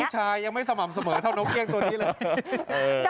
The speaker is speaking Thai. ชายยังไม่สม่ำเสมอเท่านกเกี้ยงตัวนี้เลย